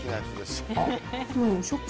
食感